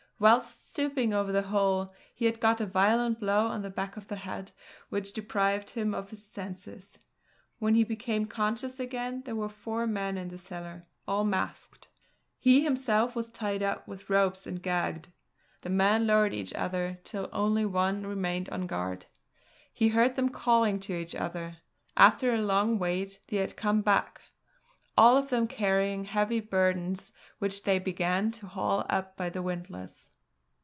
Whilst stooping over the hole, he got a violent blow on the back of the head which deprived him of his senses. When he became conscious again there were four men in the cellar, all masked. He himself was tied up with ropes and gagged. The men lowered each other till only one remained on guard. He heard them calling to each other. After a long wait they had come back, all of them carrying heavy burdens which they began to haul up by the windlass.